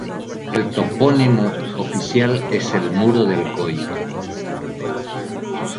El topónimo oficial es el de Muro de Alcoy.